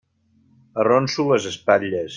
Arronso les espatlles.